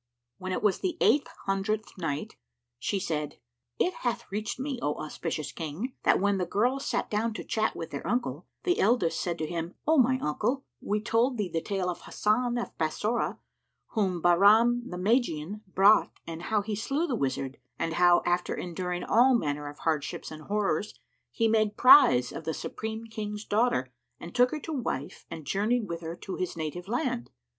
When it was the Eight Hundredth Night, She said, It hath reached me, O auspicious King, that when the girls sat down to chat with their uncle the eldest said to him, "O my uncle, we told thee the tale of Hasan of Bassorah, whom Bahram the Magian brought and how he slew the wizard and how, after enduring all manner of hardships and horrors, he made prize of the Supreme King's daughter and took her to wife and journeyed with her to his native land?"